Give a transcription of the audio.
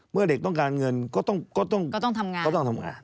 เมื่อเด็กต้องการเงินก็ต้องทำงาน